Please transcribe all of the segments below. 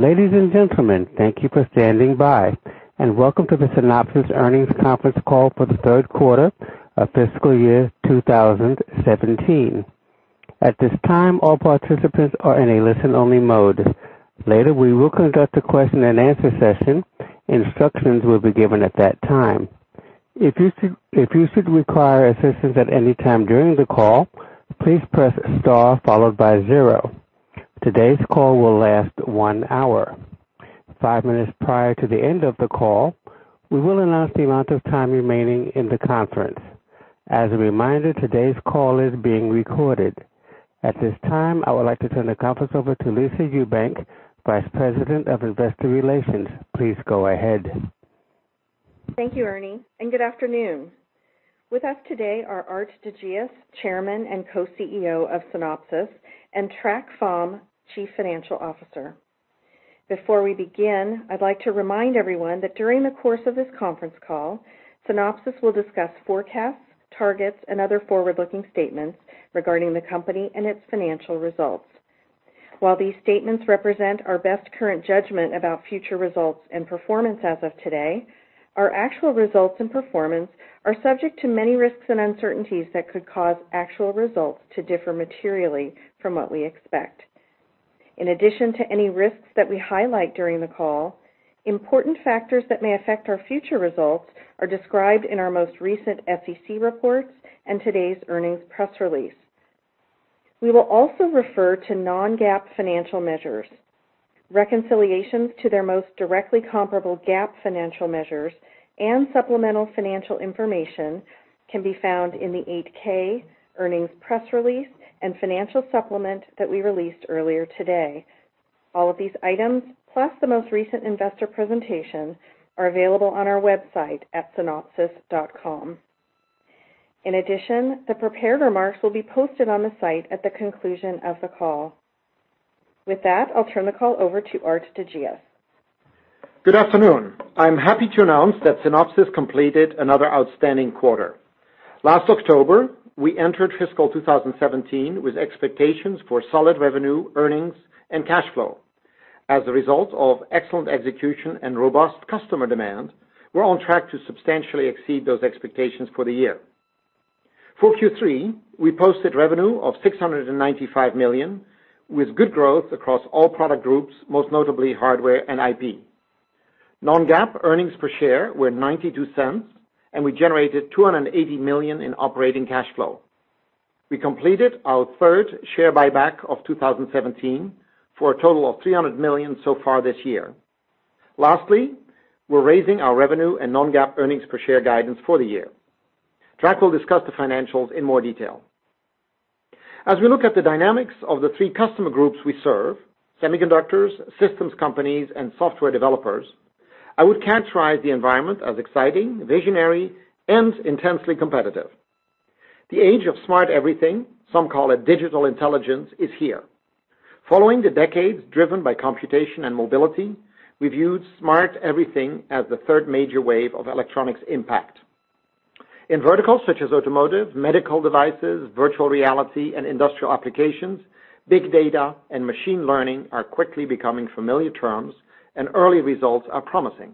Ladies and gentlemen, thank you for standing by and welcome to the Synopsys earnings conference call for the third quarter of fiscal year 2017. At this time, all participants are in a listen-only mode. Later, we will conduct a question and answer session. Instructions will be given at that time. If you should require assistance at any time during the call, please press star followed by zero. Today's call will last one hour. Five minutes prior to the end of the call, we will announce the amount of time remaining in the conference. As a reminder, today's call is being recorded. At this time, I would like to turn the conference over to Lisa Ewbank, Vice President of Investor Relations. Please go ahead. Thank you, Ernie. Good afternoon. With us today are Aart de Geus, Chairman and Co-CEO of Synopsys, and Trac Pham, Chief Financial Officer. Before we begin, I'd like to remind everyone that during the course of this conference call, Synopsys will discuss forecasts, targets, and other forward-looking statements regarding the company and its financial results. While these statements represent our best current judgment about future results and performance as of today, our actual results and performance are subject to many risks and uncertainties that could cause actual results to differ materially from what we expect. In addition to any risks that we highlight during the call, important factors that may affect our future results are described in our most recent SEC reports and today's earnings press release. We will also refer to non-GAAP financial measures. Reconciliations to their most directly comparable GAAP financial measures and supplemental financial information can be found in the 8-K, earnings press release, and financial supplement that we released earlier today. All of these items, plus the most recent investor presentation, are available on our website at synopsys.com. In addition, the prepared remarks will be posted on the site at the conclusion of the call. With that, I'll turn the call over to Aart de Geus. Good afternoon. I'm happy to announce that Synopsys completed another outstanding quarter. Last October, we entered fiscal 2017 with expectations for solid revenue, earnings, and cash flow. As a result of excellent execution and robust customer demand, we're on track to substantially exceed those expectations for the year. For Q3, we posted revenue of $695 million, with good growth across all product groups, most notably hardware and IP. Non-GAAP earnings per share were $0.92, and we generated $280 million in operating cash flow. We completed our third share buyback of 2017 for a total of $300 million so far this year. Lastly, we're raising our revenue and non-GAAP earnings per share guidance for the year. Trac will discuss the financials in more detail. As we look at the dynamics of the three customer groups we serve, semiconductors, systems companies, and software developers, I would characterize the environment as exciting, visionary, and intensely competitive. The age of smart everything, some call it digital intelligence, is here. Following the decades driven by computation and mobility, we view smart everything as the third major wave of electronics impact. In verticals such as automotive, medical devices, virtual reality, and industrial applications, big data and machine learning are quickly becoming familiar terms, and early results are promising.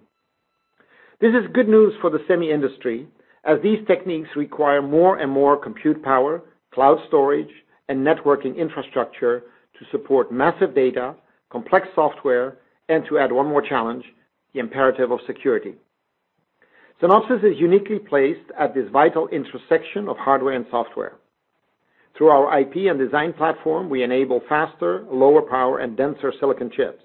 This is good news for the semi industry, as these techniques require more and more compute power, cloud storage, and networking infrastructure to support massive data, complex software, and to add one more challenge, the imperative of security. Synopsys is uniquely placed at this vital intersection of hardware and software. Through our IP and design platform, we enable faster, lower power, and denser silicon chips.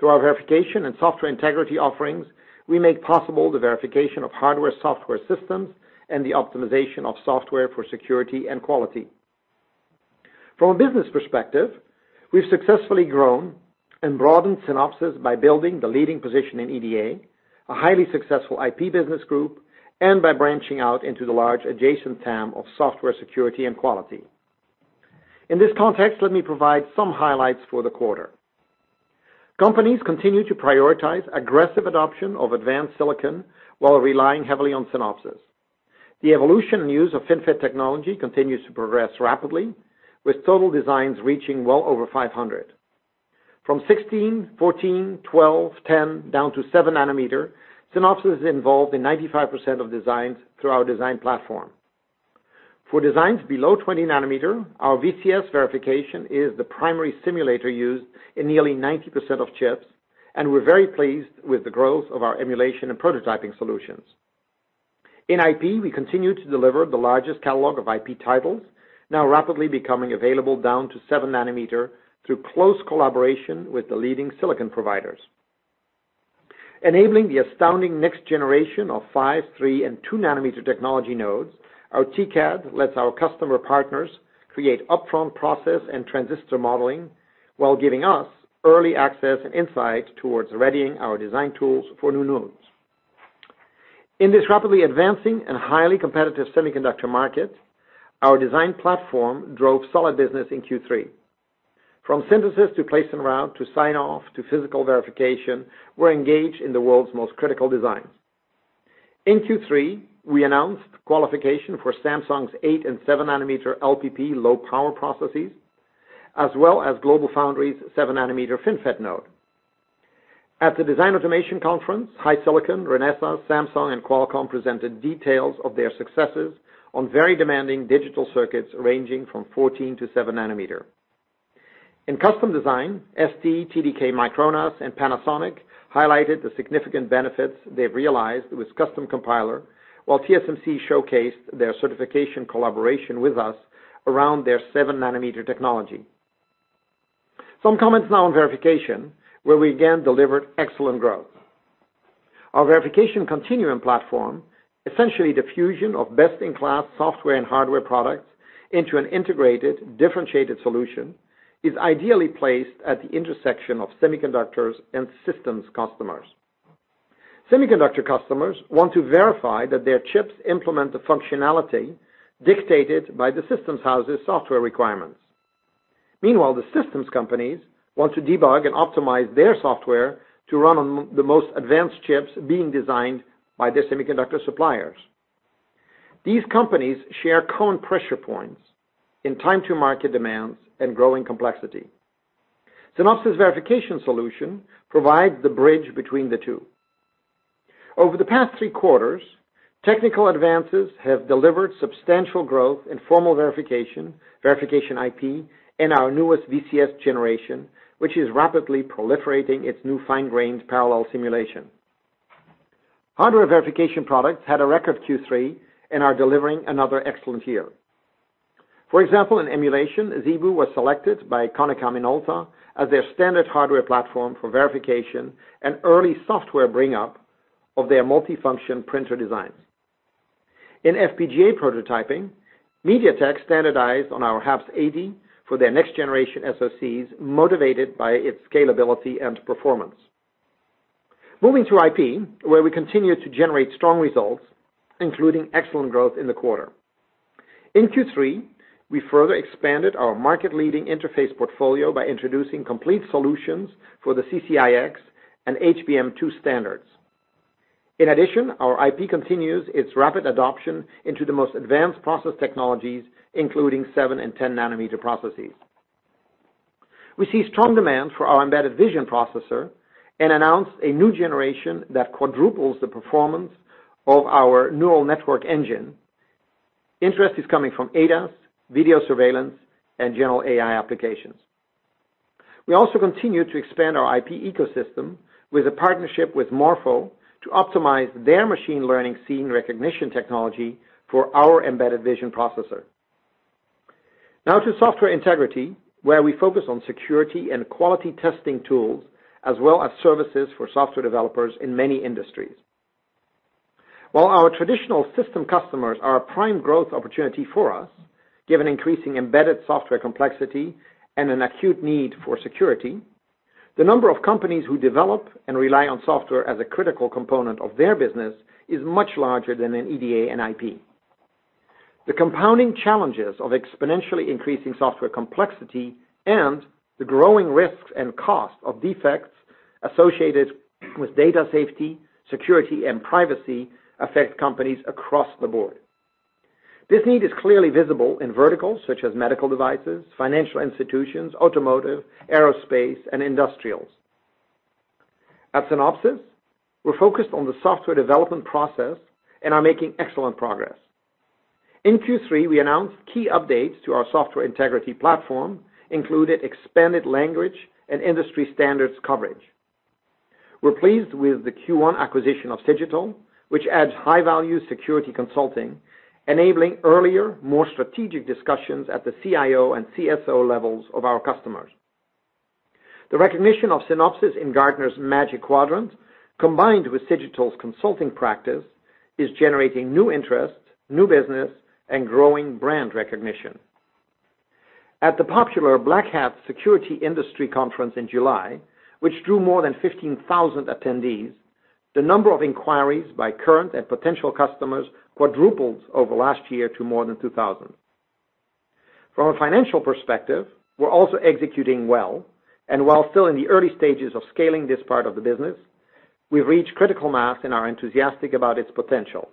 Through our verification and software integrity offerings, we make possible the verification of hardware/software systems and the optimization of software for security and quality. From a business perspective, we've successfully grown and broadened Synopsys by building the leading position in EDA, a highly successful IP business group, and by branching out into the large adjacent TAM of software security and quality. In this context, let me provide some highlights for the quarter. Companies continue to prioritize aggressive adoption of advanced silicon while relying heavily on Synopsys. The evolution and use of FinFET technology continues to progress rapidly, with total designs reaching well over 500. From 16, 14, 12, 10 down to seven nanometer, Synopsys is involved in 95% of designs through our design platform. For designs below 20 nanometer, our VCS verification is the primary simulator used in nearly 90% of chips, and we're very pleased with the growth of our emulation and prototyping solutions. In IP, we continue to deliver the largest catalog of IP titles, now rapidly becoming available down to seven nanometer through close collaboration with the leading silicon providers. Enabling the astounding next generation of five, three, and two nanometer technology nodes, our TCAD lets our customer partners create upfront process and transistor modeling while giving us early access and insight towards readying our design tools for new nodes. In this rapidly advancing and highly competitive semiconductor market, our design platform drove solid business in Q3. From synthesis to place and route to sign off to physical verification, we're engaged in the world's most critical designs. In Q3, we announced qualification for Samsung's eight and seven nanometer LPP low power processes, as well as GlobalFoundries' seven nanometer FinFET node. At the Design Automation Conference, HiSilicon, Renesas, Samsung, and Qualcomm presented details of their successes on very demanding digital circuits ranging from 14 to seven nanometer. In custom design, ST, TDK, Micron, and Panasonic highlighted the significant benefits they've realized with Custom Compiler, while TSMC showcased their certification collaboration with us around their seven nanometer technology. Some comments now on verification, where we again delivered excellent growth. Our verification continuum platform, essentially the fusion of best-in-class software and hardware products into an integrated, differentiated solution, is ideally placed at the intersection of semiconductors and systems customers. Semiconductor customers want to verify that their chips implement the functionality dictated by the systems houses' software requirements. Meanwhile, the systems companies want to debug and optimize their software to run on the most advanced chips being designed by their semiconductor suppliers. These companies share common pressure points in time to market demands and growing complexity. Synopsys verification solution provides the bridge between the two. Over the past 3 quarters, technical advances have delivered substantial growth in formal verification IP, and our newest VCS generation, which is rapidly proliferating its new fine-grained parallel simulation. Hardware verification products had a record Q3 and are delivering another excellent year. For example, in emulation, ZeBu was selected by Konica Minolta as their standard hardware platform for verification and early software bring up of their multifunction printer designs. In FPGA prototyping, MediaTek standardized on our HAPS-80 for their next generation SoCs, motivated by its scalability and performance. Moving to IP, where we continue to generate strong results, including excellent growth in the quarter. In Q3, we further expanded our market leading interface portfolio by introducing complete solutions for the CCIX and HBM2 standards. In addition, our IP continues its rapid adoption into the most advanced process technologies, including 7 and 10 nanometer processes. We see strong demand for our embedded vision processor and announced a new generation that quadruples the performance of our neural network engine. Interest is coming from ADAS, video surveillance, and general AI applications. We also continue to expand our IP ecosystem with a partnership with Morpho to optimize their machine learning scene recognition technology for our embedded vision processor. Now to software integrity, where we focus on security and quality testing tools, as well as services for software developers in many industries. While our traditional system customers are a prime growth opportunity for us, given increasing embedded software complexity and an acute need for security, the number of companies who develop and rely on software as a critical component of their business is much larger than in EDA and IP. The compounding challenges of exponentially increasing software complexity and the growing risks and costs of defects associated with data safety, security, and privacy affect companies across the board. This need is clearly visible in verticals such as medical devices, financial institutions, automotive, aerospace, and industrials. At Synopsys, we're focused on the software development process and are making excellent progress. In Q3, we announced key updates to our software integrity platform, including expanded language and industry standards coverage. We're pleased with the Q1 acquisition of Cigital, which adds high-value security consulting, enabling earlier, more strategic discussions at the CIO and CSO levels of our customers. The recognition of Synopsys in Gartner's Magic Quadrant, combined with Cigital's consulting practice, is generating new interest, new business, and growing brand recognition. At the popular Black Hat security industry conference in July, which drew more than 15,000 attendees, the number of inquiries by current and potential customers quadrupled over last year to more than 2,000. From a financial perspective, we're also executing well, and while still in the early stages of scaling this part of the business, we've reached critical mass and are enthusiastic about its potential.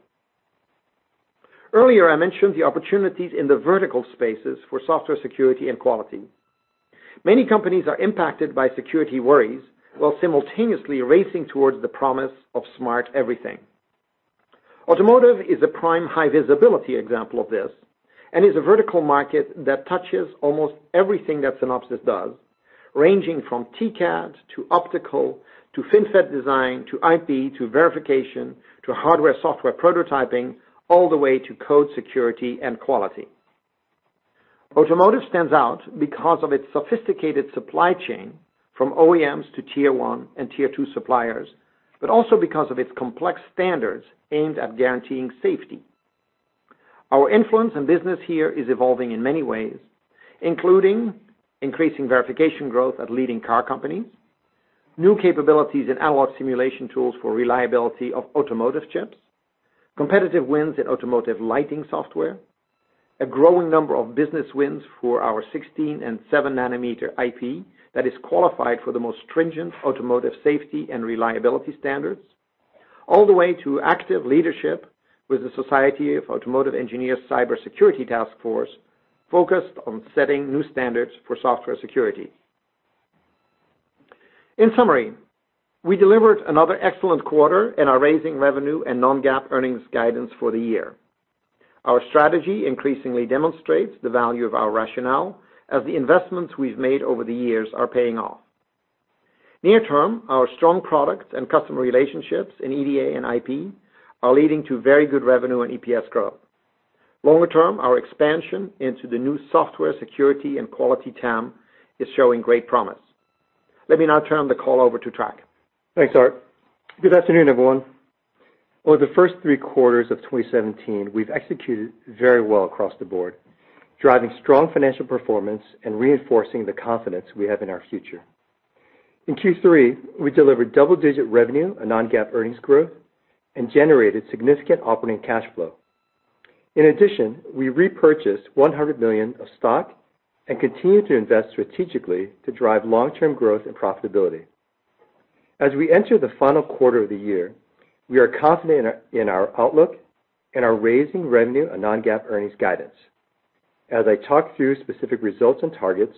Earlier, I mentioned the opportunities in the vertical spaces for software security and quality. Many companies are impacted by security worries while simultaneously racing towards the promise of smart everything. Automotive is a prime high visibility example of this is a vertical market that touches almost everything that Synopsys does, ranging from TCAD to optical, to FinFET design, to IP, to verification, to hardware, software prototyping, all the way to code security and quality. Automotive stands out because of its sophisticated supply chain from OEMs to tier 1 and tier 2 suppliers, also because of its complex standards aimed at guaranteeing safety. Our influence and business here is evolving in many ways, including increasing verification growth at leading car companies, new capabilities in analog simulation tools for reliability of automotive chips, competitive wins in automotive lighting software. A growing number of business wins for our 16 and seven nanometer IP that is qualified for the most stringent automotive safety and reliability standards, all the way to active leadership with the Society of Automotive Engineers cybersecurity task force focused on setting new standards for software security. In summary, we delivered another excellent quarter in our raising revenue and non-GAAP earnings guidance for the year. Our strategy increasingly demonstrates the value of our rationale as the investments we've made over the years are paying off. Near term, our strong products and customer relationships in EDA and IP are leading to very good revenue and EPS growth. Longer term, our expansion into the new software security and quality TAM is showing great promise. Let me now turn the call over to Trac. Thanks, Aart. Good afternoon, everyone. Over the first three quarters of 2017, we've executed very well across the board, driving strong financial performance and reinforcing the confidence we have in our future. In Q3, we delivered double-digit revenue and non-GAAP earnings growth and generated significant operating cash flow. In addition, we repurchased $100 million of stock and continue to invest strategically to drive long-term growth and profitability. As we enter the final quarter of the year, we are confident in our outlook and are raising revenue and non-GAAP earnings guidance. As I talk through specific results and targets,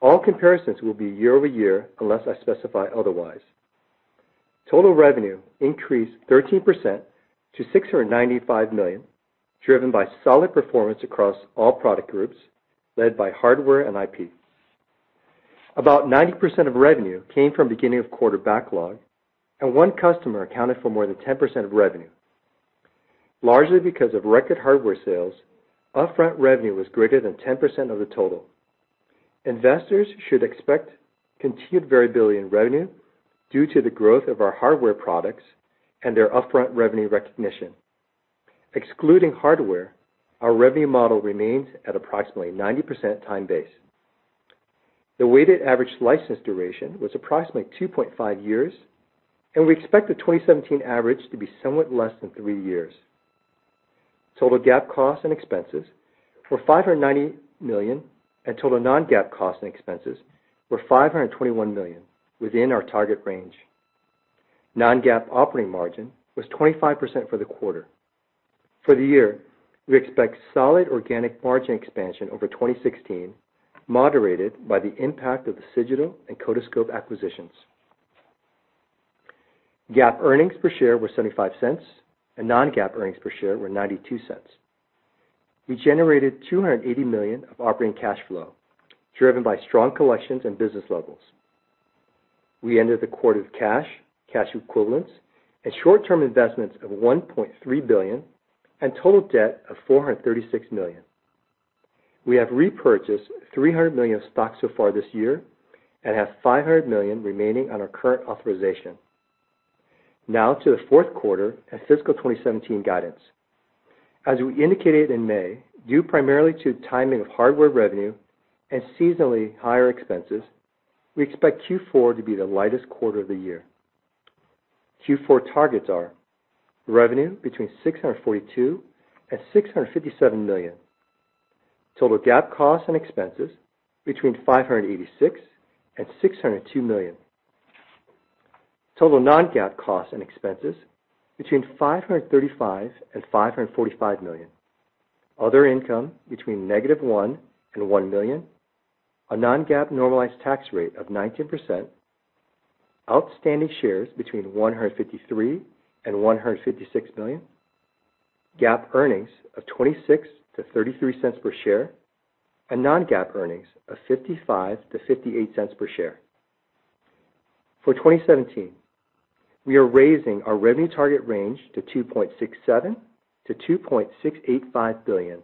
all comparisons will be year-over-year unless I specify otherwise. Total revenue increased 13% to $695 million, driven by solid performance across all product groups, led by hardware and IP. About 90% of revenue came from beginning of quarter backlog, and one customer accounted for more than 10% of revenue. Largely because of record hardware sales, upfront revenue was greater than 10% of the total. Investors should expect continued variability in revenue due to the growth of our hardware products and their upfront revenue recognition. Excluding hardware, our revenue model remains at approximately 90% time base. The weighted average license duration was approximately 2.5 years, and we expect the 2017 average to be somewhat less than three years. Total GAAP costs and expenses were $590 million, and total non-GAAP costs and expenses were $521 million, within our target range. Non-GAAP operating margin was 25% for the quarter. For the year, we expect solid organic margin expansion over 2016, moderated by the impact of the Cigital and Codiscope acquisitions. GAAP earnings per share were $0.75, and non-GAAP earnings per share were $0.92. We generated $280 million of operating cash flow, driven by strong collections and business levels. We ended the quarter with cash equivalents, and short-term investments of $1.3 billion and total debt of $436 million. We have repurchased $300 million of stock so far this year and have $500 million remaining on our current authorization. Now, to the fourth quarter and fiscal 2017 guidance. As we indicated in May, due primarily to timing of hardware revenue and seasonally higher expenses, we expect Q4 to be the lightest quarter of the year. Q4 targets are: revenue between $642 million and $657 million, total GAAP costs and expenses between $586 million and $602 million, total non-GAAP costs and expenses between $535 million and $545 million, other income between negative $1 million and $1 million, a non-GAAP normalized tax rate of 19%, outstanding shares between 153 million and 156 million, GAAP earnings of $0.26-$0.33 per share, and non-GAAP earnings of $0.55-$0.58 per share. For 2017, we are raising our revenue target range to $2.67 billion-$2.685 billion,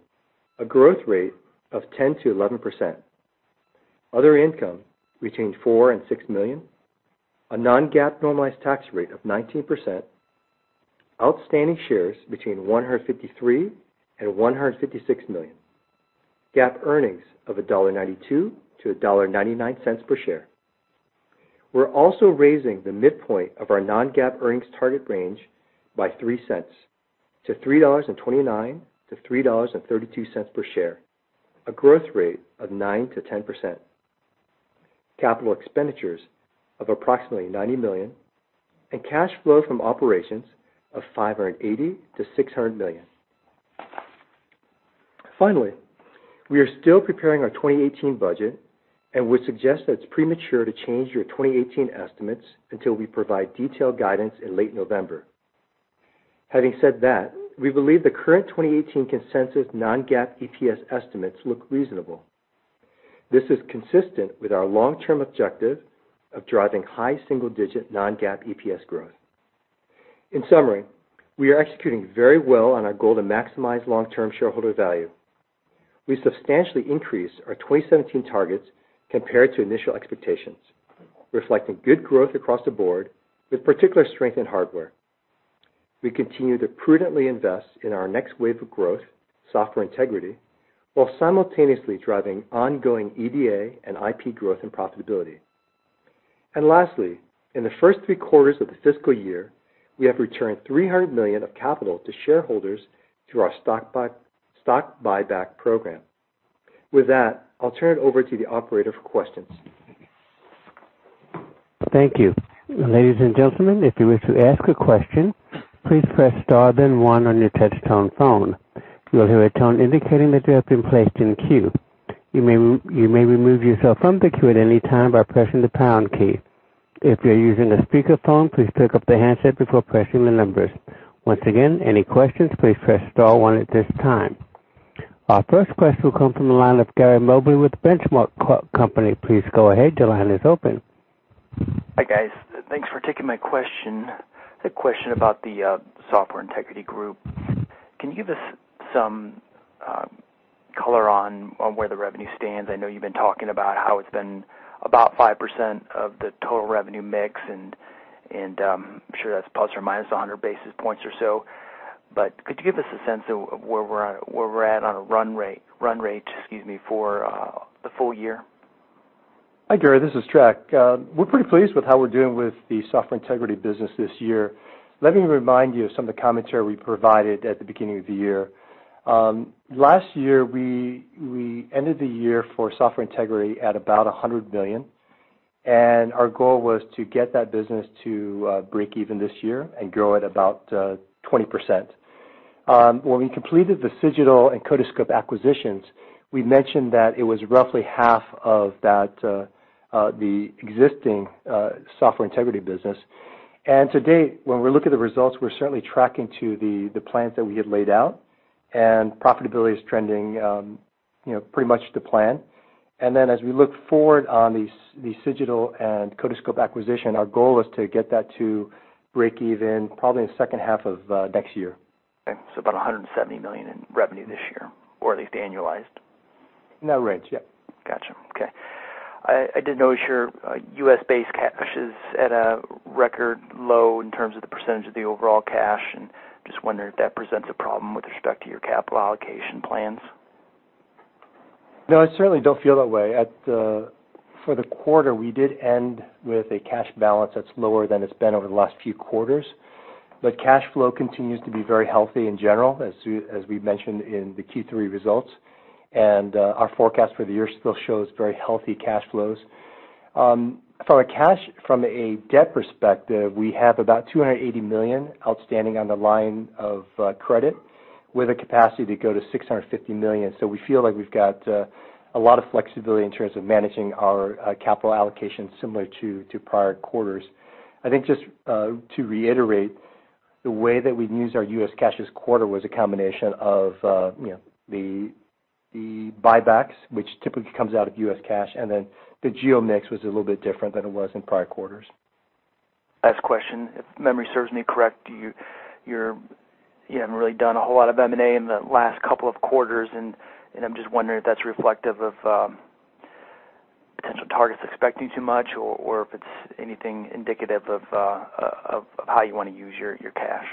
a growth rate of 10%-11%, other income between $4 million and $6 million, a non-GAAP normalized tax rate of 19%, outstanding shares between 153 million and 156 million, GAAP earnings of $1.92-$1.99 per share. We are also raising the midpoint of our non-GAAP earnings target range by $0.03 to $3.29-$3.32 per share, a growth rate of 9%-10%, capital expenditures of approximately $90 million, and cash flow from operations of $580 million-$600 million. Finally, we are still preparing our 2018 budget and would suggest that it is premature to change your 2018 estimates until we provide detailed guidance in late November. Having said that, we believe the current 2018 consensus non-GAAP EPS estimates look reasonable. This is consistent with our long-term objective of driving high single-digit non-GAAP EPS growth. In summary, we are executing very well on our goal to maximize long-term shareholder value. We substantially increased our 2017 targets compared to initial expectations, reflecting good growth across the board with particular strength in hardware. We continue to prudently invest in our next wave of growth, Software Integrity, while simultaneously driving ongoing EDA and IP growth and profitability. Lastly, in the first three quarters of the fiscal year, we have returned $300 million of capital to shareholders through our stock buyback program. With that, I will turn it over to the operator for questions. Thank you. Ladies and gentlemen, if you wish to ask a question, please press star then one on your touch-tone phone. You'll hear a tone indicating that you have been placed in queue. You may remove yourself from the queue at any time by pressing the pound key. If you're using a speakerphone, please pick up the handset before pressing the numbers. Once again, any questions, please press star one at this time. Our first question will come from the line of Gary Mobley with Benchmark Company. Please go ahead. Your line is open. Hi, guys. Thanks for taking my question. A question about the Software Integrity Group. Can you give us some color on where the revenue stands? I know you've been talking about how it's been about 5% of the total revenue mix, and I'm sure that's plus or minus 100 basis points or so. Could you give us a sense of where we're at on a run rate for the full year? Hi, Gary. This is Chuck. We're pretty pleased with how we're doing with the Software Integrity business this year. Let me remind you of some of the commentary we provided at the beginning of the year. Last year, we ended the year for Software Integrity at about $100 million, and our goal was to get that business to break even this year and grow at about 20%. When we completed the Cigital and Codiscope acquisitions, we mentioned that it was roughly half of the existing Software Integrity business. To date, when we look at the results, we're certainly tracking to the plans that we had laid out, and profitability is trending pretty much to plan. As we look forward on the Cigital and Codiscope acquisition, our goal is to get that to break even probably in the second half of next year. Okay, about $170 million in revenue this year, or at least annualized. In that range, yep. Got you. Okay. I did notice your U.S.-based cash is at a record low in terms of the percentage of the overall cash, and just wondering if that presents a problem with respect to your capital allocation plans. No, I certainly don't feel that way. For the quarter, we did end with a cash balance that's lower than it's been over the last few quarters, but cash flow continues to be very healthy in general, as we mentioned in the Q3 results, and our forecast for the year still shows very healthy cash flows. From a debt perspective, we have about $280 million outstanding on the line of credit with a capacity to go to $650 million. We feel like we've got a lot of flexibility in terms of managing our capital allocation similar to prior quarters. I think just to reiterate, the way that we've used our U.S. cash this quarter was a combination of the buybacks, which typically comes out of U.S. cash, and then the geo mix was a little bit different than it was in prior quarters. Last question. If memory serves me correct, you haven't really done a whole lot of M&A in the last couple of quarters, and I'm just wondering if that's reflective of potential targets expecting too much, or if it's anything indicative of how you want to use your cash.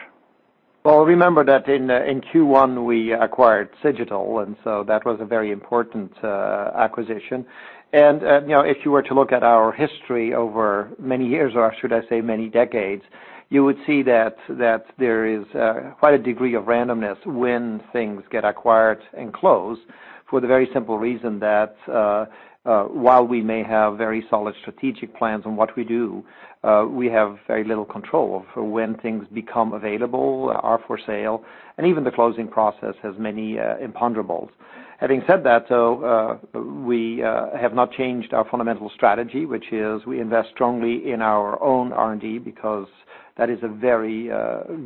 Well, remember that in Q1, we acquired Cigital, and so that was a very important acquisition. If you were to look at our history over many years, or should I say many decades, you would see that there is quite a degree of randomness when things get acquired and closed for the very simple reason that, while we may have very solid strategic plans on what we do, we have very little control over when things become available or are for sale, and even the closing process has many imponderables. Having said that, though, we have not changed our fundamental strategy, which is we invest strongly in our own R&D because that is a very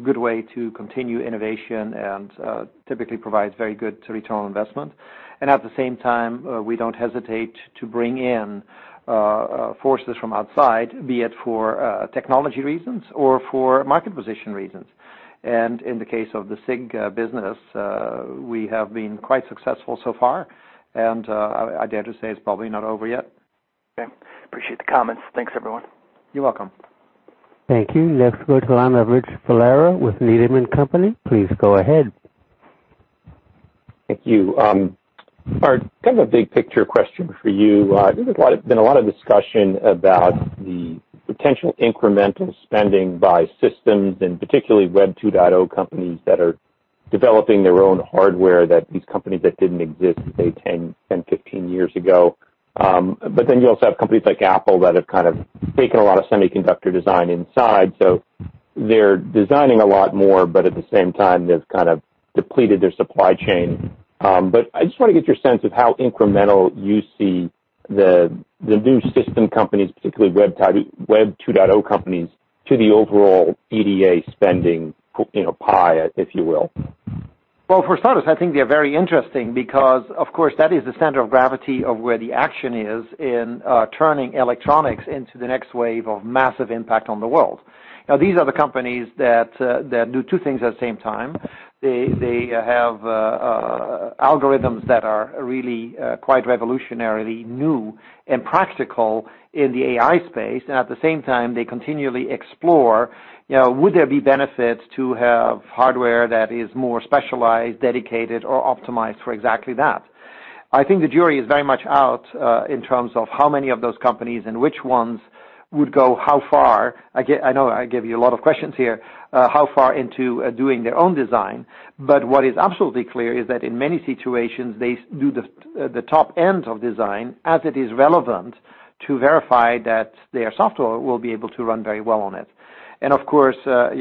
good way to continue innovation and typically provides very good return on investment. At the same time, we don't hesitate to bring in forces from outside, be it for technology reasons or for market position reasons. In the case of the SIG business, we have been quite successful so far, and I dare to say it's probably not over yet. Okay. Appreciate the comments. Thanks, everyone. You're welcome. Thank you. Let's go to the line of Rich Valera with Needham & Company. Please go ahead. Thank you. A big picture question for you. There's been a lot of discussion about the potential incremental spending by systems and particularly Web 2.0 companies that are developing their own hardware, these companies that didn't exist, say, 10, 15 years ago. You also have companies like Apple that have taken a lot of semiconductor design inside, so they're designing a lot more, at the same time, they've kind of depleted their supply chain. I just want to get your sense of how incremental you see the new system companies, particularly Web 2.0 companies, to the overall EDA spending pie, if you will. Well, for starters, I think they're very interesting because, of course, that is the center of gravity of where the action is in turning electronics into the next wave of massive impact on the world. These are the companies that do two things at the same time. They have algorithms that are really quite revolutionarily new and practical in the AI space, at the same time, they continually explore, would there be benefits to have hardware that is more specialized, dedicated, or optimized for exactly that? I think the jury is very much out in terms of how many of those companies and which ones would go how far. I know I gave you a lot of questions here, how far into doing their own design. What is absolutely clear is that in many situations, they do the top end of design as it is relevant to verify that their software will be able to run very well on it. Of course, we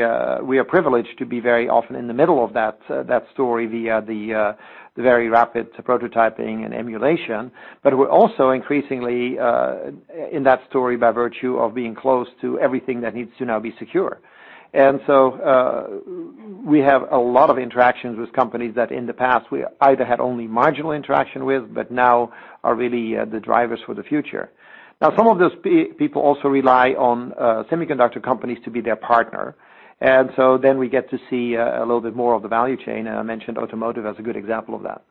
are privileged to be very often in the middle of that story via the very rapid prototyping and emulation. We're also increasingly in that story by virtue of being close to everything that needs to now be secure. We have a lot of interactions with companies that in the past we either had only marginal interaction with, but now are really the drivers for the future. Some of those people also rely on semiconductor companies to be their partner. We get to see a little bit more of the value chain. I mentioned automotive as a good example of that.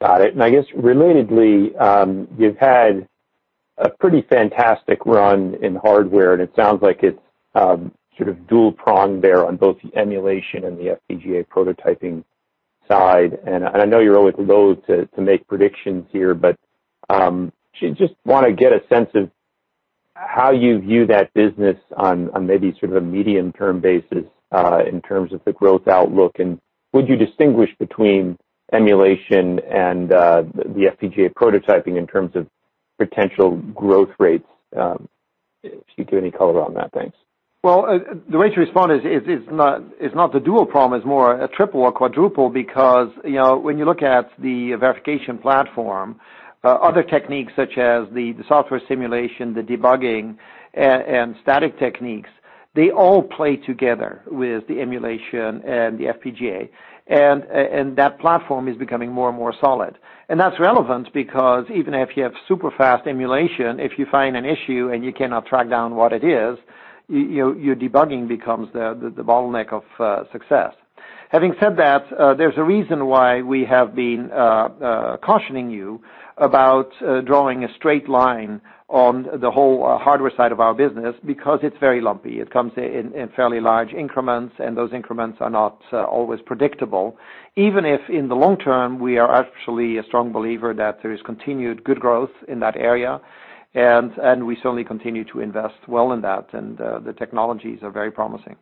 Got it. I guess relatedly, you've had a pretty fantastic run in hardware, and it sounds like it's sort of dual pronged there on both the emulation and the FPGA prototyping side. I know you're always loathe to make predictions here, but just want to get a sense of how you view that business on maybe sort of a medium-term basis in terms of the growth outlook, and would you distinguish between emulation and the FPGA prototyping in terms of potential growth rates, if you'd give any color on that? Thanks. Well, the way to respond is not the dual prong, it's more a triple or quadruple because when you look at the verification platform, other techniques such as the software simulation, the debugging, and static techniques, they all play together with the emulation and the FPGA. That platform is becoming more and more solid. That's relevant because even if you have super-fast emulation, if you find an issue and you cannot track down what it is, your debugging becomes the bottleneck of success. Having said that, there's a reason why we have been cautioning you about drawing a straight line on the whole hardware side of our business because it's very lumpy. It comes in fairly large increments, and those increments are not always predictable. Even if in the long term, we are actually a strong believer that there is continued good growth in that area, we certainly continue to invest well in that, the technologies are very promising.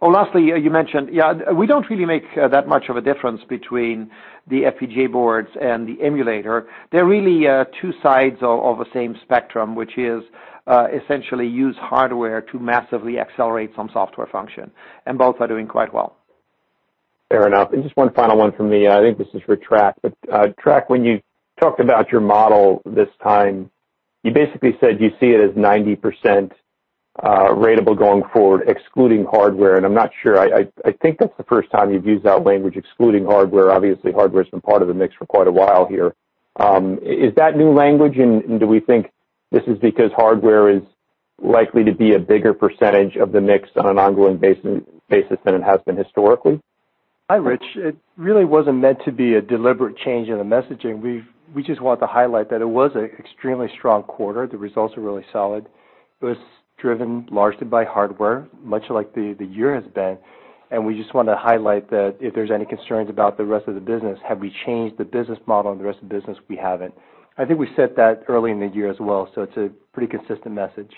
Well, lastly, you mentioned, we don't really make that much of a difference between the FPGA boards and the emulator. They're really two sides of the same spectrum, which is essentially use hardware to massively accelerate some software function, both are doing quite well. Fair enough. Just one final one for me, I think this is for Trac. Trac, when you talked about your model this time, you basically said you see it as 90% ratable going forward, excluding hardware, and I'm not sure, I think that's the first time you've used that language, excluding hardware. Obviously, hardware's been part of the mix for quite a while here. Is that new language, and do we think this is because hardware is likely to be a bigger percentage of the mix on an ongoing basis than it has been historically? Hi, Rich. It really wasn't meant to be a deliberate change in the messaging. We just want to highlight that it was an extremely strong quarter. The results are really solid. It was driven largely by hardware, much like the year has been, and we just want to highlight that if there's any concerns about the rest of the business, have we changed the business model and the rest of the business? We haven't. I think we said that early in the year as well, so it's a pretty consistent message.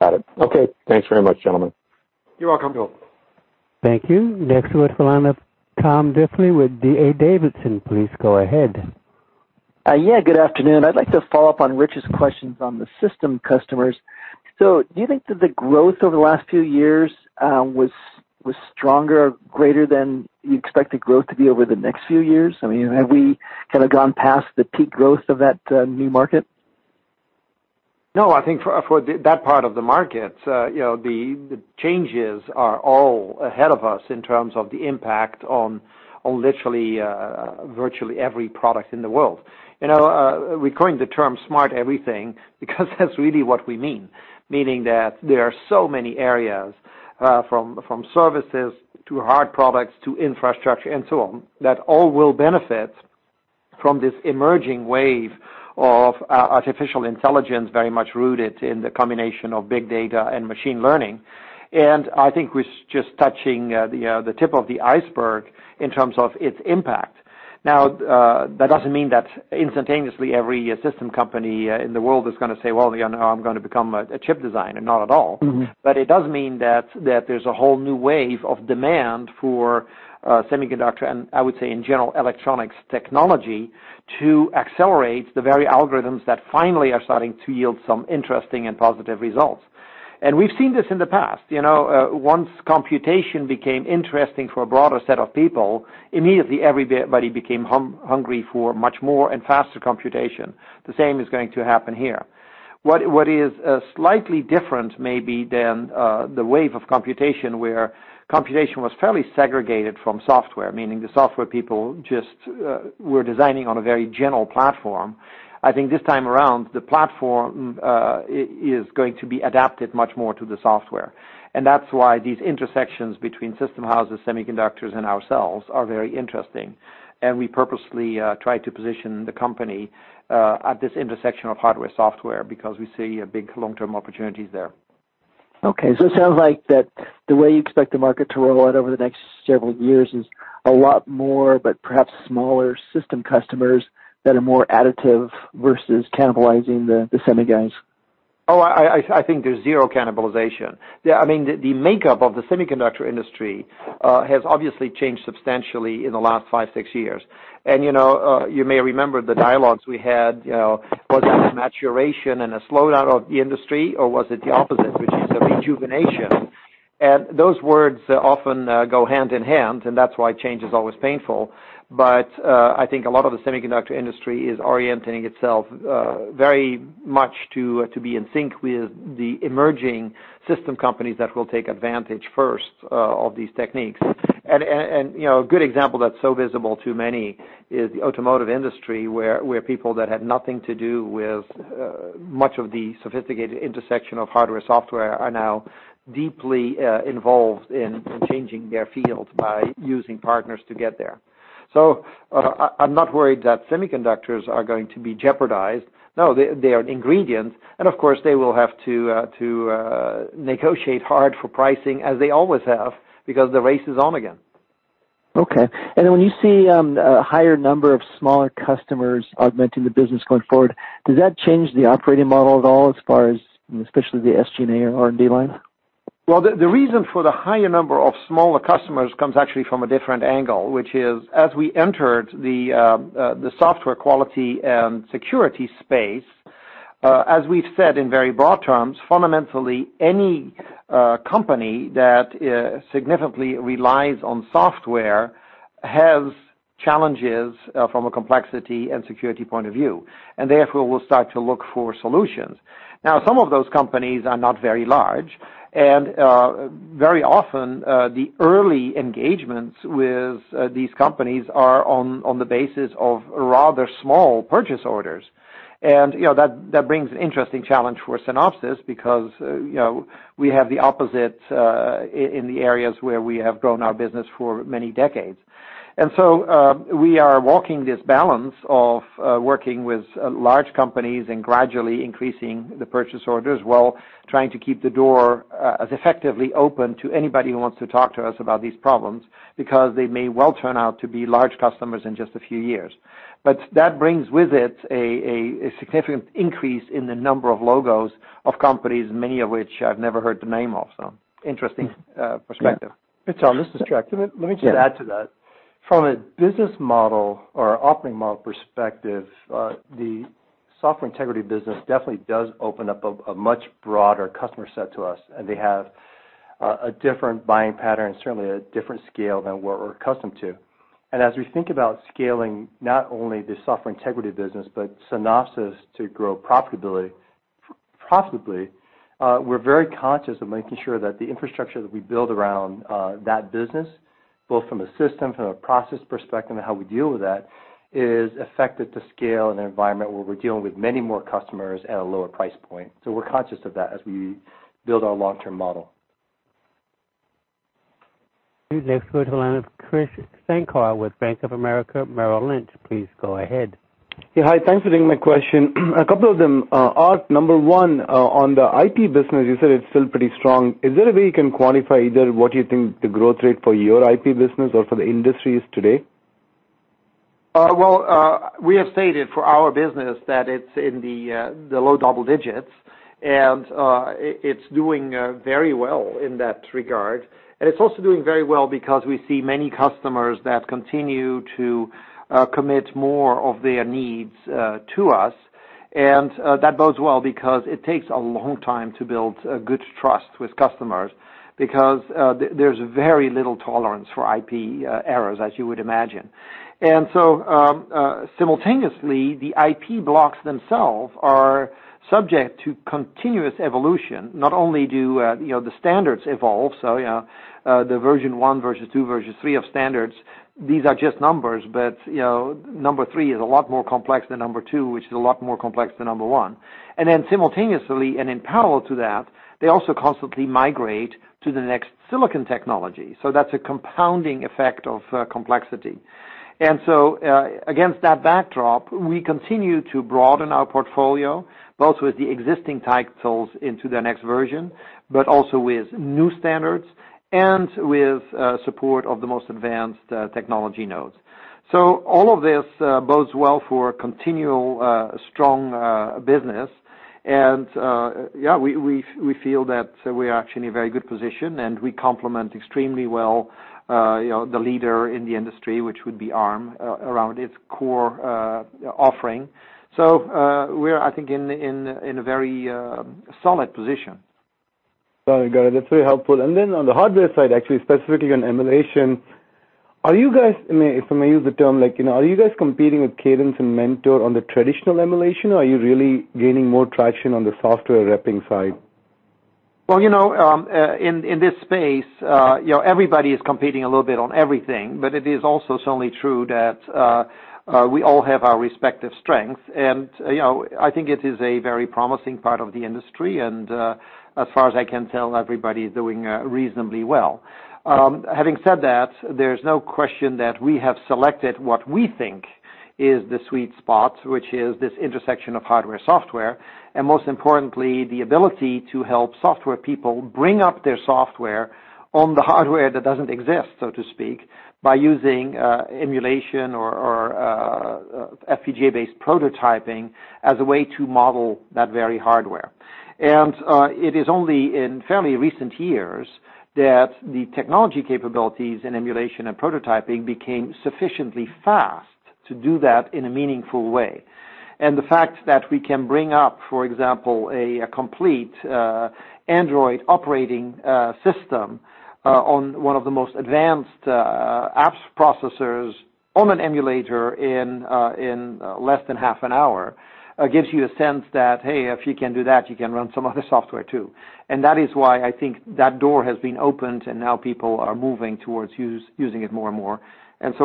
Got it. Okay. Thanks very much, gentlemen. You're welcome. You're welcome. Thank you. We'll follow up, Tom Diffely with D.A. Davidson. Please go ahead. Yeah, good afternoon. I'd like to follow up on Rich's questions on the system customers. Do you think that the growth over the last few years was stronger, greater than you expect the growth to be over the next few years? I mean, have we kind of gone past the peak growth of that new market? I think for that part of the market the changes are all ahead of us in terms of the impact on literally virtually every product in the world. We're coining the term smart everything because that's really what we mean, meaning that there are so many areas, from services to hard products to infrastructure and so on, that all will benefit from this emerging wave of artificial intelligence very much rooted in the combination of big data and machine learning. I think we're just touching the tip of the iceberg in terms of its impact. That doesn't mean that instantaneously every system company in the world is going to say, "Well, I'm going to become a chip designer." Not at all. It does mean that there's a whole new wave of demand for semiconductor, and I would say in general, electronics technology to accelerate the very algorithms that finally are starting to yield some interesting and positive results. We've seen this in the past. Once computation became interesting for a broader set of people, immediately everybody became hungry for much more and faster computation. The same is going to happen here. What is slightly different maybe than the wave of computation where computation was fairly segregated from software, meaning the software people just were designing on a very general platform. I think this time around, the platform is going to be adapted much more to the software. That's why these intersections between system houses, semiconductors, and ourselves are very interesting. We purposely try to position the company at this intersection of hardware, software because we see big long-term opportunities there. Okay. It sounds like that the way you expect the market to roll out over the next several years is a lot more, but perhaps smaller system customers that are more additive versus cannibalizing the semi guys. Oh, I think there's zero cannibalization. I mean, the makeup of the semiconductor industry has obviously changed substantially in the last five, six years. You may remember the dialogues we had, was it a maturation and a slowdown of the industry, or was it the opposite, which is a rejuvenation? Those words often go hand in hand, and that's why change is always painful. I think a lot of the semiconductor industry is orienting itself very much to be in sync with the emerging system companies that will take advantage first of these techniques. A good example that's so visible to many is the automotive industry, where people that had nothing to do with much of the sophisticated intersection of hardware, software are now deeply involved in changing their field by using partners to get there. I'm not worried that semiconductors are going to be jeopardized. No, they are an ingredient, and of course, they will have to negotiate hard for pricing as they always have because the race is on again. Okay. When you see a higher number of smaller customers augmenting the business going forward, does that change the operating model at all as far as, especially the SG&A or R&D line? Well, the reason for the higher number of smaller customers comes actually from a different angle, which is as we entered the software quality and security space, as we've said in very broad terms, fundamentally, any company that significantly relies on software has challenges from a complexity and security point of view, and therefore will start to look for solutions. Now, some of those companies are not very large, and very often, the early engagements with these companies are on the basis of rather small purchase orders. That brings an interesting challenge for Synopsys because we have the opposite in the areas where we have grown our business for many decades. We are walking this balance of working with large companies and gradually increasing the purchase orders while trying to keep the door as effectively open to anybody who wants to talk to us about these problems, because they may well turn out to be large customers in just a few years. That brings with it a significant increase in the number of logos of companies, many of which I've never heard the name of. Interesting perspective. Hey, Tom, this is Chuck. Let me just add to that. From a business model or operating model perspective, the Software Integrity Group definitely does open up a much broader customer set to us, and they have a different buying pattern, certainly a different scale than what we're accustomed to. As we think about scaling not only the Software Integrity Group, but Synopsys to grow profitably, we're very conscious of making sure that the infrastructure that we build around that business, both from a system, from a process perspective and how we deal with that, is effective to scale in an environment where we're dealing with many more customers at a lower price point. We're conscious of that as we build our long-term model. Next we go to the line of Krish Sankar with Bank of America Merrill Lynch. Please go ahead. Yeah. Hi. Thanks for taking my question. A couple of them. Aart, number 1, on the IP business, you said it's still pretty strong. Is there a way you can quantify either what you think the growth rate for your IP business or for the industry is today? Well, we have stated for our business that it's in the low double digits, and it's doing very well in that regard. It's also doing very well because we see many customers that continue to commit more of their needs to us. That bodes well because it takes a long time to build good trust with customers because there's very little tolerance for IP errors, as you would imagine. Simultaneously, the IP blocks themselves are subject to continuous evolution. Not only do the standards evolve, so the version 1, version 2, version 3 of standards, these are just numbers. But number 3 is a lot more complex than number 2, which is a lot more complex than number 1. Simultaneously and in parallel to that, they also constantly migrate to the next silicon technology. That's a compounding effect of complexity. Against that backdrop, we continue to broaden our portfolio both with the existing titles into the next version, with new standards and with support of the most advanced technology nodes. All of this bodes well for continual strong business. We feel that we are actually in a very good position, and we complement extremely well the leader in the industry, which would be Arm, around its core offering. We're, I think, in a very solid position. Got it. That's very helpful. On the hardware side, actually specifically on emulation, are you guys, if I may use the term, are you guys competing with Cadence and Mentor on the traditional emulation, or are you really gaining more traction on the software wrapping side? Well, in this space everybody is competing a little bit on everything, but it is also certainly true that we all have our respective strengths. I think it is a very promising part of the industry, and as far as I can tell, everybody is doing reasonably well. Having said that, there's no question that we have selected what we think is the sweet spot, which is this intersection of hardware, software, and most importantly, the ability to help software people bring up their software on the hardware that doesn't exist, so to speak, by using emulation or FPGA-based prototyping as a way to model that very hardware. It is only in fairly recent years that the technology capabilities in emulation and prototyping became sufficiently fast to do that in a meaningful way. The fact that we can bring up, for example, a complete Android operating system on one of the most advanced apps processors on an emulator in less than half an hour gives you a sense that, hey, if you can do that, you can run some other software too. That is why I think that door has been opened and now people are moving towards using it more and more.